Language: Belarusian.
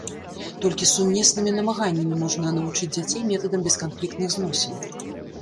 Толькі сумеснымі намаганнямі можна навучыць дзяцей метадам бесканфліктных зносін.